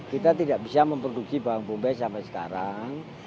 kita tidak bisa memproduksi bawang bombay sampai sekarang